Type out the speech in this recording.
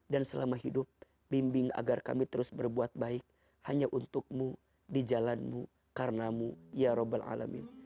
dan selama hidup bimbing agar kami terus berbuat baik hanya untukmu di jalanmu karnamu ya rabbil alamin